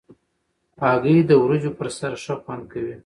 هګۍ د وریجو پر سر ښه خوند کوي.